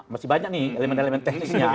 masih banyak nih elemen elemen teknisnya